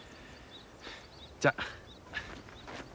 じゃあ。